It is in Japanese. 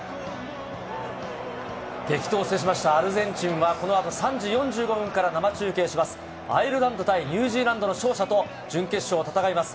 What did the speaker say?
激闘を制しましたアルゼンチン代表はこの後、３時４５分から生中継します、アイルランド対ニュージーランドの勝者と準決勝を戦います。